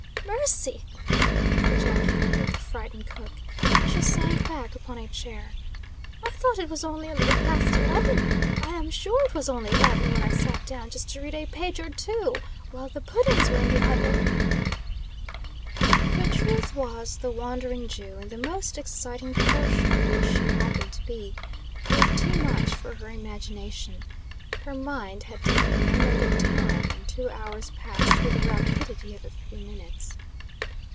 "Mercy!" ejaculated the frightened cook, as she sank back upon a chair; "I thought it was only a little past eleven. I am sure it was only eleven when I sat down just to read a page or two while the puddings were in the oven!" The truth was, the "Wandering Jew," in the most exciting portion of which she happened to be, proved too much for her imagination. Her mind had taken no note of time, and two hours passed with the rapidity of a few minutes.